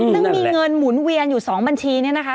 ซึ่งมีเงินหมุนเวียนอยู่๒บัญชีเนี่ยนะคะ